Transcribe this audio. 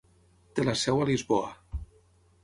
Té la seu a Lisboa.